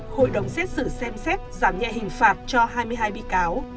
hội đồng xét xử xem xét giảm nhẹ hình phạt cho hai mươi hai bị cáo